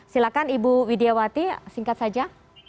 silahkan ibu widiawati singkat saja